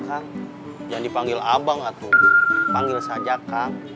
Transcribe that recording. jangan dipanggil abang panggil saja